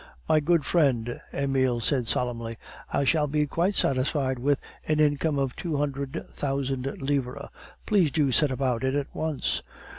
"My good friend," Emile said solemnly, "I shall be quite satisfied with an income of two hundred thousand livres. Please to set about it at once."